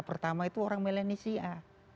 pertama itu orang melanesia